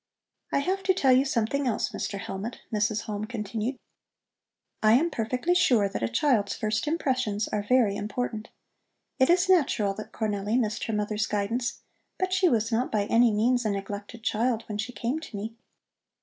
"I have to tell you something else, Mr. Hellmut," Mrs. Halm continued. "I am perfectly sure that a child's first impressions are very important. It is natural that Cornelli missed her mother's guidance, but she was not by any means a neglected child when she came to me.